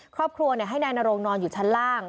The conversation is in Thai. ครอบครัวให้นายนโรงนอนอยู่ชั้นล่าง